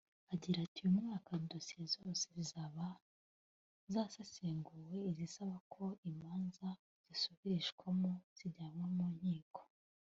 Agira ati “Uyu mwaka dosiye zose zizaba zasesenguwe izisaba ko imanza zisubirishwamo zijyanwe mu nkiko